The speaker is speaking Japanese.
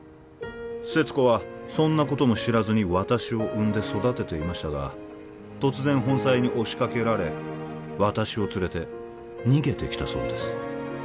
勢津子はそんなことも知らずに私を産んで育てていましたが突然本妻に押しかけられ私を連れて逃げてきたそうです